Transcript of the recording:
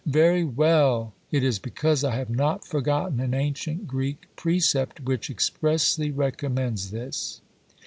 Very well! It is because I have not forgotten an ancient Greek precept which expressly recommends this.